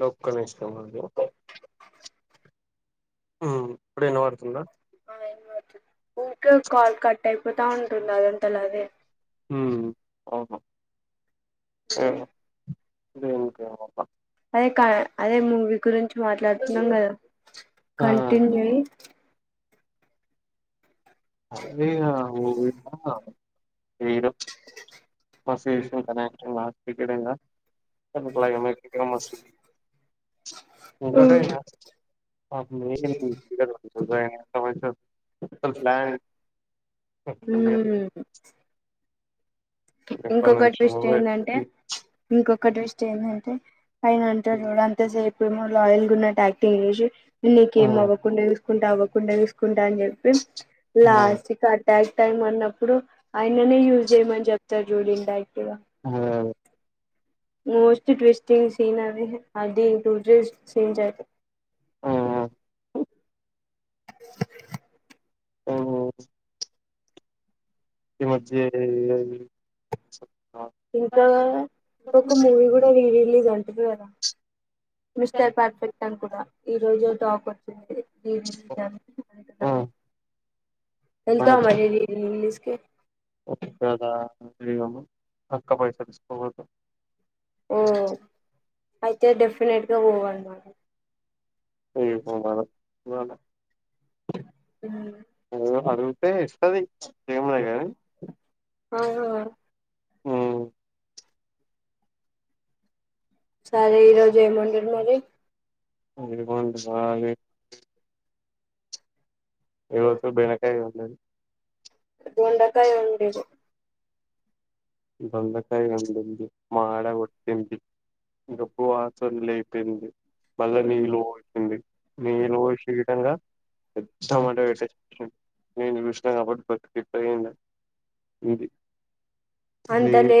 Local ఇష్టమ అండి ఉమ్ ఇప్పుడుేనా వినపడుతుందా ఇంకా కాల్ కట్ అయిపోతా ఉంటుంది అదంతలాఆదే ఓహొ సరే ఇంకేమప్ప అదే కా అదే మూవి గురించి మాట్లాడుతున్నాం కదా ఆ కంటిన్యూయీ అదే ఇంగ మస్తు ఇష్ణావ్ [unintelligible] ఎకడంగా క్లైమేట్ ఇక్కడ మస్తు ఇంకాటెనా [unintelligible] హ్మ్మ్ ఎప్పటి ఇంకొక నుంచో ట్విస్ట్ ఏందంటే పెట్టి ఇంకొక ట్విస్ట్ ఏందంటే అయినా అంటడు చూడు అంతే సేప్ మ లయల్ గున్నట్టు అక్టింగ్ చేసి ఆ నీకేం అవ్వకుండా చూసుకుంటా అవ్వకుండా చూసుకుంటా అని చెప్పి ఆ లాస్ట్ కి ట్యాక్ టైమ్ అన్నప్పుడు ఆయననే యూజ్ చేయమని చెప్ప తద్ జూడు ఇండ ఆ మోస్ట్ ట్వి [unintelligible] ఆ [inaudible] ఓ ఈ మధ్య ఇంకా ఇ ఒక మూవీ కూడా రిలీజ్ ఇలి గంట ద ఎద మిస్టర్ పర్ఫెక్ట్ చం కూడా ఈ రోజు టాక్ వచ్చిందిది ఆ [inaudible] వెల్తా మరి ఇంగ్లీష్ ఓకే దా అక్క పయస తీస్కోదు ఆ అయితే డెఫినెట్ గా పోవాలి అన్నమాట ఉ అద అ ప తే ఇస్తది ఎమిలే కానీ అవునా సరే ఈ రోజు ఏమోండిర్రూ మరి అదికంట కాలి ఎవోతు బేనకాయ అ బెండకాయ వండింది బెండకాయ వండింది మాడ కొట్టింది గబ్బు వాసన లేచింది మళ్ళా నీళ్ళు పోచింది నీళ్ళు పోచి విధంగా టమాటో వెట్టి నేను చూసిన కాబటి బతికిపోయింది లేదు అంతలే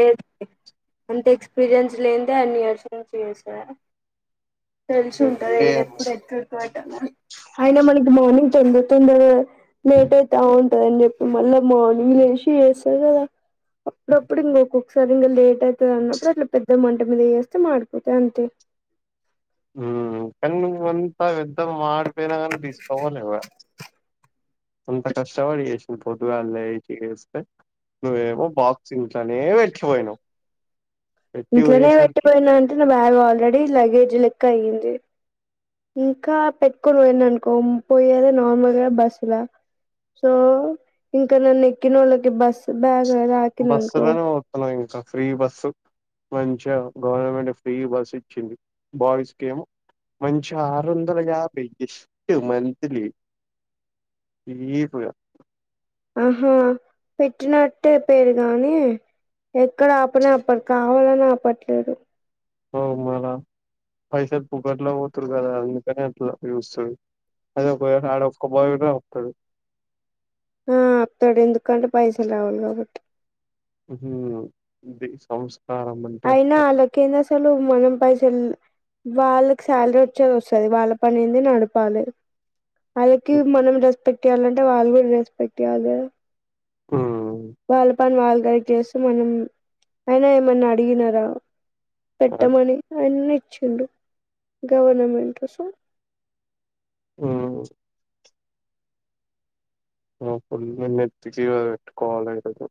అంత ఎక్స్పీరియన్స్ లేనిదే అన్ని ఇయర్స్ నుంచి చేస్తూన్నరా తెలిసి ఉంటది ఏ ఏది ఎప్పుడు ఎక్కట అయినా మనకి మార్నింగ్ తొందర తొందరగా లేట్ అయితవు చె మళ్ల మార్నింగ్ లేచి ఆ గప్పుడు నీకు ఒకసారి ఇంకా లేట్ అవుతుంది అన్నప్పుడు అట్లా పెద్ద మంట మీద వేస్తే మాడిపోతా అంతే ఆ కని నువ్ వన్ అది ఎంత మడిపోయిన గాని తీసుకోవాలి కదా అంత కష్టపడి చేసింది పొదుగాళ్ లేసి ఏస్తే నువ్వేమో బాక్స్ ఇంట్లనే వెటి పోయినవ్ ఇంట్లోనే పెట్టిపోయినా అంటే నా బ్యాగ్ ఆల్రెడీ లగేజ్ లెక్కయింది ఇంకా పెట్టుకొని ఓయిననుకో ముప్పై వేల నార్మల్ గా బస్ ల సొ నన్ ఎక్కినోలకి బస్ బ్యాగ్ లాకిందనుకో బస్సులోనే పోతున్నవ్ ఇంకా ఫ్రీ బస్సు మంచిగా గవర్నమెంట్ ఫ్రీ బస్ ఇచ్చింది బాయ్స్ గేమ్ మంచి ఆరు వందల యాభై జస్ట్ మంత్లీ చీప్ గా ఆహా పెట్టినట్టే పేరు గాని ఎక్కడ ఆపని అపడు కావాలని ఆపట్లేదు అవ్ మళ పైసలు పుగట్లో పోతురు కదా అందుకని అట్లా చూస్తరు అదే ఒక వేళ ఆడ ఒక్క బాయ్ వున్నా అప్తడు ఆ ఆప్తడు ఎందుకంటే పైసల్ రావాలే కాబట్టి ఉహు దీన్ సౌండ్స్ అయినా ఆళ్ళకేందసలు మనం పైసల్ వాళ్ళకి శాలరీ వచ్చేది వస్తుది వాళ్ళ పని ఏంది నడపాలి అళ్కి మనం రెస్పెక్ట్ చేయ్యాలం అంటే వాళ్లు గూడ రెస్పెక్ట్ ఇయలే ఊ వాళ్ళపన్ వాల్ దయచేస్ నా ముంద్ అయిన ఏమన్న అడిగినరా అదే పెట్టమణి అన్ని చ్చిండు గౌర్నమెంట్ సొ ఊ ఆపల్ నెన్ నెత్తికి ఇవ వెట్టుకోవాలి ఇరోజు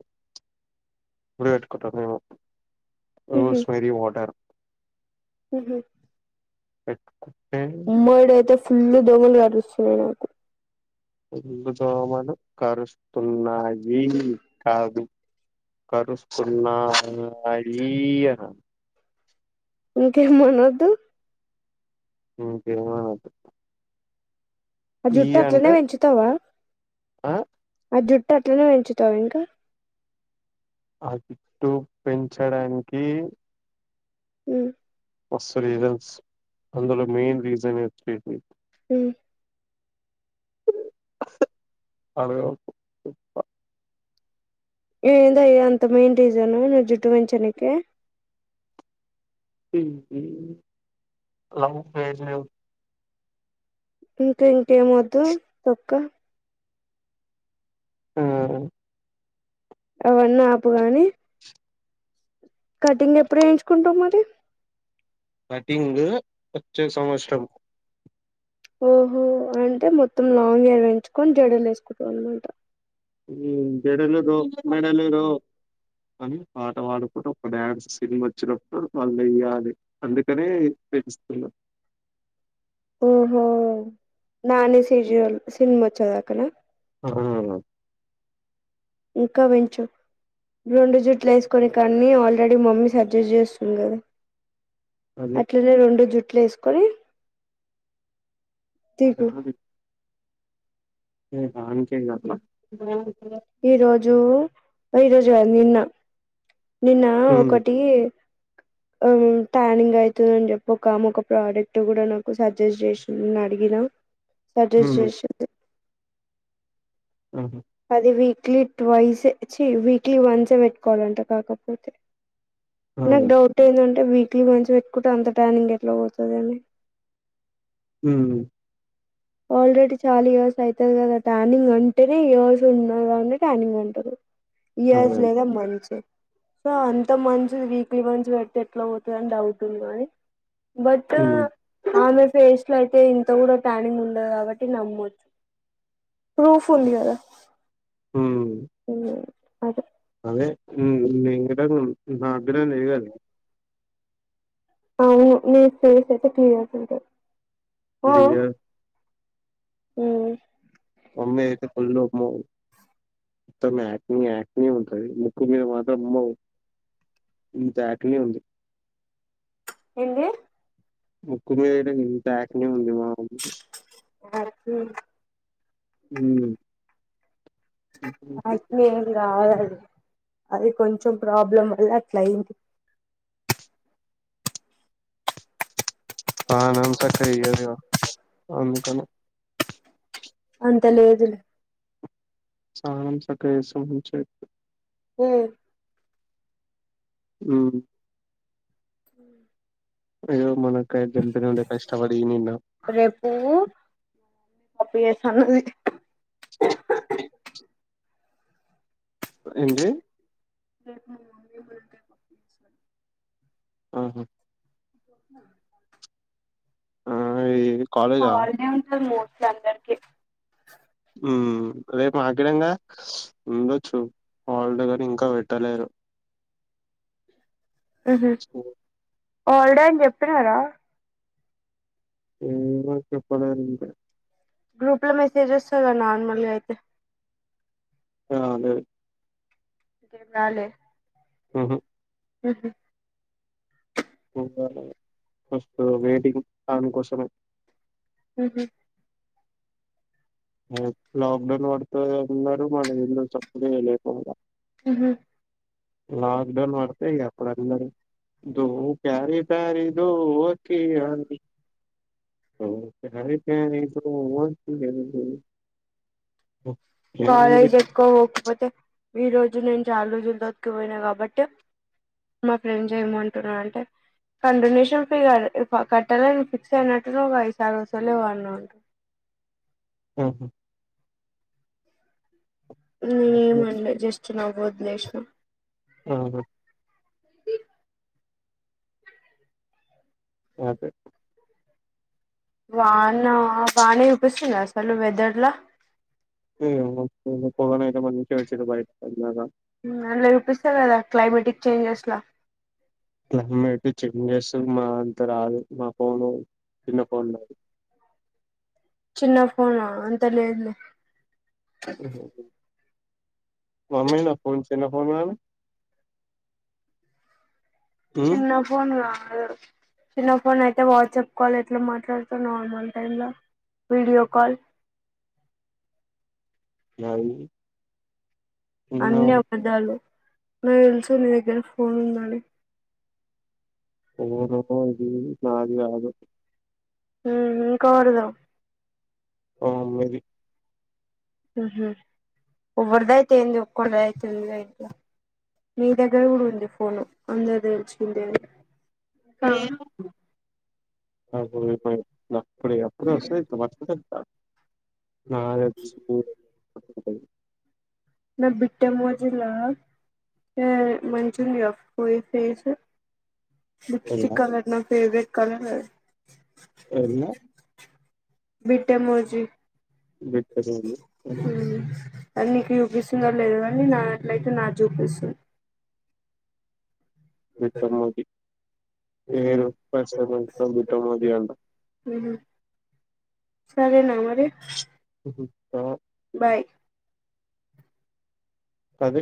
ఉలి కట్టుకుంటాం మేము ఒ ఉహు స్వరి వాటర్ ఉహు పెట్ మోడైతె సి ఫుల్ [unintelligible] వాటర్ వస్తునాయ్ నాకు ఫుల్లు దోమలు కరుస్తున్నాయి కాదు కరుస్తున్నాయయి అనాలి ఇంకేం అనొద్దు ఇంకేం అనొద్దు ఆ జుట్టు అట్లనే వెంచుతవా ఆ ఆ జుట్టు అట్లనే పెంచుతవ ఇంక ఆ జుట్టూ పెంచడానికీ ఉ మస్త్ రీజన్స్ అందులో main reason H P P హ్మ్ అరవకు పుప్ప ఏందయ్య అంత మెయిన్ రీజను నువ్ జుట్టు పెంచనీకి హు హు లవ్ ఫెజవ్ ఇంతే ఏం మొద్దు తొక్క మ్మ్ అవన్నీ ఆపు గాని కటింగ్ ఎప్పుడు ఏయించుకుంటవ్ మరి కటింగూ వచ్చే సంవత్సరం ఓహో అంటే మొత్తం లాంగ్ హేర్ ఉంచుకొన్ జడ అల్లెస్కుటవ్ అన్మాట మ్మ్ జడలు రో మెడలు రో అని పాట పాడుకుంటు ఒక డ్యాన్స్ సినిమా వచ్చినప్పుడు వాళ్ళు దెంగాలి అందుకనే పెంచుతున్నా. ఓహో నాని సెజోయో ఒలిపిస్ తిన్ వచ్చావ్ గద అక్కడ ఆహా అన్నాను ఇంకా పెంచు రెండు జుట్లేస్ కొన్ని కన్ని ఆల్రెడి మమ్మీ సజెస్ట్ జేస్తుంది గద అదే అట్లనె రెండు జుట్ ట్లేస్కొని చెప్పుమ్మ ది హెహా అంతేగా తి ఇక రాదు ఈ రోజు ఈ రోజు వెళ్లిన నిన్నా హ్మ్. ఒకటి ఆహ్ ట్యానింగ్ అయితదని జేప్పి ఒక ఆమె ఒక ప్రోడక్ట్ కూడా నాకు సజెస్ట్ జెసింది నేన్ అడిగినా సజెస్ట్ హ్మ్. చేసింది. ఆహా! అదివి. క్లీ ట్వైసే ఛీ వీక్లీ వన్స్ ఏ పెట్కోవాలంట కాకపోతే ఆ! నాకు డౌట్ ఎదంటే వీక్లీ వన్స్ పెట్కుంటే అంత ట్యానింగ్ ఎట్లా పోతదని. మ్మ్ ఆల్రెడీ చాలా ఇయర్స్ అయితది గదా ట్యానింగ్ అంటేనే ఇయర్స్ ఉన్నదాన్నే ట్యానింగ్ అంటారు. ఆ! ఇయర్స్ లేదా మంత్స్ సో అంత మంత్సది వీక్లీ వన్స్ పెడితే ఎట్ట ఎట్లా పోతదని అని డౌట్ ఉన్నాది. బట్టు హ్మ్. ఆమె ఫేష్. ఇట్లైతే ఇంత కూడా ట్యానింగ్ ఉం కాబట్టి నమ్మొచ్చు ప్రూఫ్ ఉంది కదా. హ్మ్. ఉ అదే అదే [unintelligible] నాగ్గరేం లేవుగని అవును మీ పేస్ అయితే క్లియర్గా ఉంటది. లింగా ఉం మమ్మీది అయితే ఫుల్ అమ్మో మొత్తం యాక్ని యాక్ని ఉంటది ముక్కు మీద మాత్రం అమ్మో ఇంత యాక్ని ఉంది. ఎంది ముక్కుమీదనే ఇంత యాక్ని ఉంది మా ఉం యాక్ని యాక్ని ఏం కాదు అది అది కొంచెం ప్రాబ్లం వల్ల అట్లయింది. తానంసక్కగా చెయ్యారుగా అందుకనె అంత లేదులే. స్నానం సక్కగా చేస్తే మంచిగ అయితది. మ్మ్ మ్మ్ ఉం అయ్యో మన [unintelligible] ఇష్టపడినిన్నా రేపు పప్పు ఎస్ తా అన్నది [unintelligible] ఎంది రేప్ మా మమ్మి బుడంకాయ్ పప్పు చేస్తది ఆహా ఇప్పుడు ఆ ఈ [inaudible] మా కాలేజా వదినే ఉంటుంది గా లందరికీ ఉమ్ రేప్ ఆగ్గిడం గదా ఉండొచ్చు హల్డే గని ఇంకా పెట్టలేరు ఉహు హాల్డే ఆన్ చెప్పినారా ఏమో చెప్పలేద్ ఇంకా గ్రూప్ లో మెసేజ్ చేస్తాద్ గా నార్మల్గా అయితే ఆ అదే నీ పేర్ రాలే ఉహుం ఉహుమ్ చూడాలే అస్తు వెయిటింగ్ తాని కోసమే ఉహూ ఉమ్ లాక్డౌన్ పడితే అందరూ మన ఇండ్ల సేప్డే లేకుండే ఉహు లాక్జోడౌన్ వడ్తే ఇయా అప్పుడు అందరూ దు క్యారీ క్యారీలు కీ యాదితీ అఓ [unintelligible] ఇంకేమంటవు ఒ కాలేజ్ ఎక్కవ హోప్స్ పెట్ తే ఈ రోజు నేను చాలా రోజులతోతికిపోయినా కాబట్టి మా ఫ్రెండ్స్ ఏం అంటున్నారంటే కాండొనేషన్ ఫీ క కట్టాలను ఫిక్స్ అయినట్టు ఈ సారి అసలే వాళ్ళు ఉహు నే ఏం అనలే జస్ట్ నవ్ ఓద్లేషినా ఆహా ది యా టెక్ వానా వానే యుపిస్తుంది అసలు వెదర్ లా ఉమ్ ఒస్తుంది ఫోన్ అయితే మంచిగా ఇచిండు బయ నాగా ఉమ్ లేపిస్తాలేదా క్లైమేటిక్ చేంజెస్ లా క్లెగ్మేటు చెక్ స్ మా అంత రాదు మా ఫోను చిన్న ఫోన్ రాదు చిన్న ఫోనా అంత లేదు లే ఉ ఉ హు మమ్మి నా ఫోన్ తన్నా ఫోన్లాను చిన్న ఫోన్ కావాల్ ఆ చిన్న ఫోన్ అయితే వాట్సాప్ కాల్ ఎట్లా మాట్లాడుత నార్మల్ టైమ్ లో వీడియో కాల్ నైయి అన్ని అబద్దాలు నా తెలుసు నీ దగ్గర ఫోన్ ఉందని అనగప ఇది నాది కాదు ఉమ్ ఇంకోరుదొ ఆ మీది ఉహు ఎవ్వరిద అయితే ఏంది ఒక్కరిది అయితే ఉంది ఇంట్లో మీ దగ్గర కూడా ఉంది ఫోను అందరు తెలుసిండేదే కా నాకు రూపాయి [inaudible] అప్పుడే అప్పుడు ఒస్తే, ఇట్ల పట్టుకుంటే ఇత్తా. నాదె స్పూను [inaudible] నా బిట్టే మోజలా ఏ మంచి ఉంది గా ఫోయి ఫేసు. లిప్స్టిక్ కలర్ నా ఫేవరెట్. కానీవే అ బిట్టే మోర్జీ. ఆ అన్ని క్యు పిస్తుందోలేదోగానీ, నా ట్లయితే నాది చూపిస్తుంది. బిట్టమోది, పేరు [unintelligible] బిట్టమోదీ అంట. ఉహు సరేనా మరి. దుత్తా బాయ్ అదె